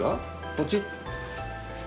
ポチッ。